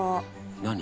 何？